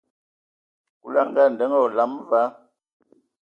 Kulu a ngaandǝŋ hm a olam va,